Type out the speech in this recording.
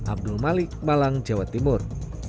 abdul malik malang jawa timur